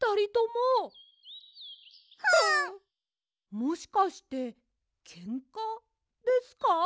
もしかしてケンカ？ですか？